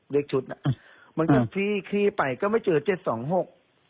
เลขชุดน่ะมันก็พี่ขี้ไปก็ไม่เจอเจ็ดสองหก